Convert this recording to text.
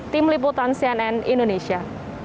tim liputan cnn indonesia